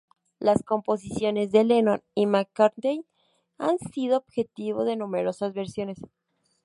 Las composiciones de Lennon y McCartney han sido objeto de numerosas versiones.